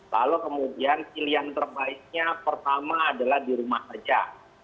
lalu kemudian pilihan terbaiknya pertama adalah di rumah saja